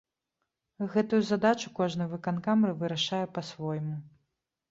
Гэтую задачу кожны выканкам вырашае па-свойму.